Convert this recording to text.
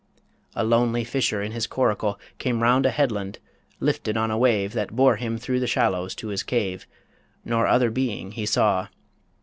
A lonely fisher in his coracle Came round a headland, lifted on a wave That bore him through the shallows to his cave, Nor other being he saw.